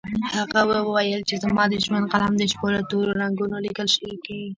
هغې وويل چې زما د ژوند قلم د شپو له تورو رګونو ليکل کوي